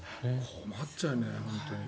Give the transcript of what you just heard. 困っちゃうね、本当に。